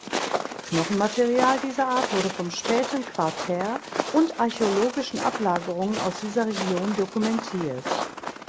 Knochenmaterial dieser Art wurde vom späten Quartär und archäologischen Ablagerungen aus dieser Region dokumentiert.